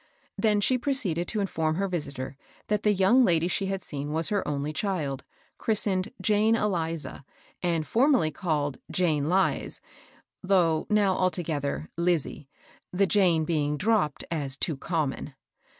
Then she proceeded to inform her visitor that the young lady she had seen was her only child, chris tened " Jane Eliza," and formerly called " Jane Lize," though now altogether, " Lizie," the Jane being dropped, as too common.